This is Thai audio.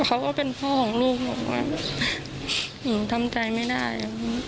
เขาก็เป็นพ่อของลูกหล่อทำใจไม่ได้